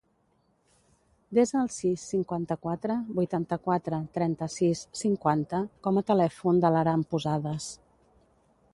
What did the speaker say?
Desa el sis, cinquanta-quatre, vuitanta-quatre, trenta-sis, cinquanta com a telèfon de l'Aram Posadas.